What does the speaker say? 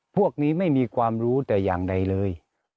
พวกนี้ไม่มีความรู้แต่อย่างใดเลย